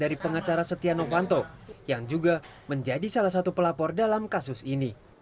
dari pengacara setia novanto yang juga menjadi salah satu pelapor dalam kasus ini